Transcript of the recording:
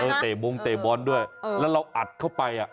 เออเตะมงต์เตะบอลด้วยแล้วเราอัดเข้าไป